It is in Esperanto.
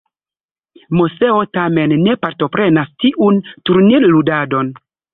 Moseo tamen ne partoprenas tiun turnirludadon.